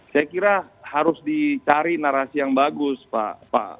saya kira harus dicari narasi yang bagus pak